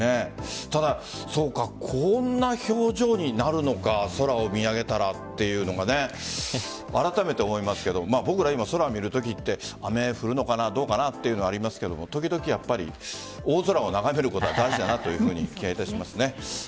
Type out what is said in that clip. ただ、こんな表情になるのか空を見上げたらっていうのがあらためて思いますけど僕ら今、空を見るときって雨降るのかなどうかなというのはありますが時々、大空を眺めることは大事だなという気がしますね。